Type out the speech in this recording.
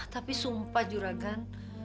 tapi sumpah juragan